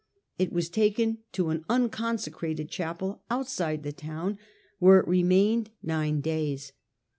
It was taken to an uncon secrated chapel outside the town, where it remained nine days.